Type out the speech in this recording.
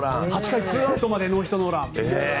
８回ツーアウトまでノーヒットノーラン。